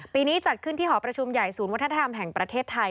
นี้จัดขึ้นที่หอประชุมใหญ่ศูนย์วัฒนธรรมแห่งประเทศไทย